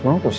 mau aku sih